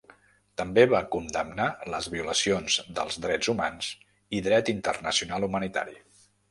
També va condemnar les violacions dels drets humans i dret internacional humanitari.